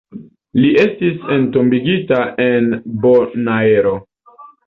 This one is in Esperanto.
Li estis entombigita en Bonaero.